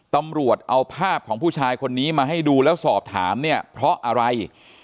ตำรวจเอาภาพของผู้ชายคนนี้มาให้ดูแล้วสอบถามเนี่ยเพราะอะไร